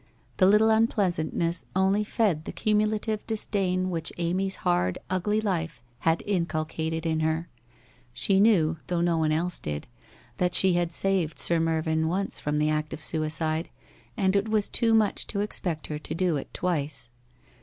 The little unpleasantness only fed the cumulative disdain which Amy's hard, ugly life had inculcated in her. She knew, though no one else did, that she had saved Sir Mervyn once from the act of suicide, and it was too much to expect her to do it twice.